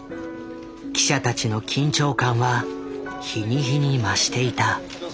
記者たちの緊張感は日に日に増していた。